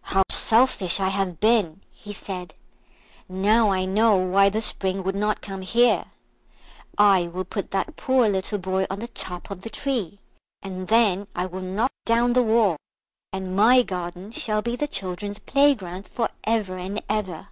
"How selfish I have been!" he said; "now I know why the Spring would not come here. I will put that poor little boy on the top of the tree, and then I will knock down the wall, and my garden shall be the children's playground for ever and ever."